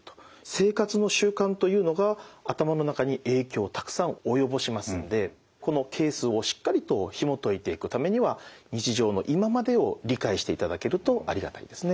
生活の習慣というのが頭の中に影響をたくさん及ぼしますのでこのケースをしっかりとひもといていくためには日常の今までを理解していただけるとありがたいですね。